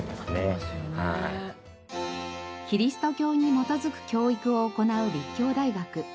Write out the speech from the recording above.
キリスト教に基づく教育を行う立教大学。